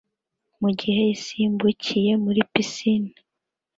mugihe isimbukiye muri pisine